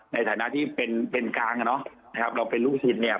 ในฐานะที่เป็นกลางนะครับเราเป็นลูกศิษย์เนี่ย